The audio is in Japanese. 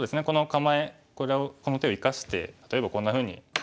この構えこの手を生かして例えばこんなふうに。